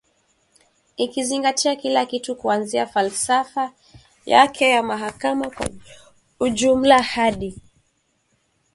ikizingatia kila kitu kuanzia falsafa yake ya mahakama kwa ujumla hadi